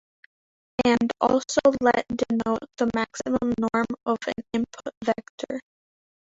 And also let denote the maximum norm of an input vector.